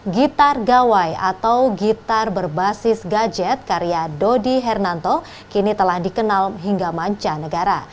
gitar gawai atau gitar berbasis gadget karya dodi hernanto kini telah dikenal hingga manca negara